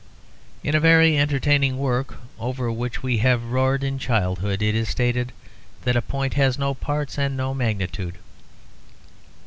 In a very entertaining work, over which we have roared in childhood, it is stated that a point has no parts and no magnitude.